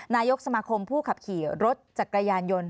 นายกสมาคมผู้ขับขี่รถจักรยานยนต์